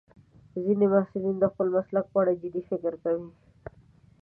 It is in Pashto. ځینې محصلین د خپل مسلک په اړه جدي فکر کوي.